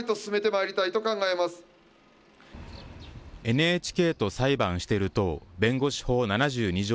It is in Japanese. ＮＨＫと裁判してる党弁護士法７２条